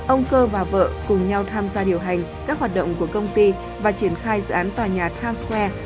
ông cơ và vợ cùng nhau tham gia điều hành các hoạt động của công ty và triển khai dự án tòa nhà times square